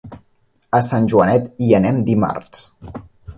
A Sant Joanet hi anem dimarts.